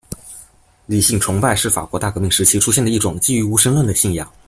理性崇拜是法国大革命时期出现的一种基于无神论的信仰。